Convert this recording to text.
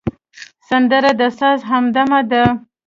سندره د ساز همدمه ده